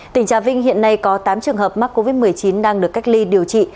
tỉnh trà vinh hiện nay có tám trường hợp mắc covid một mươi chín đang được cách ly điều trị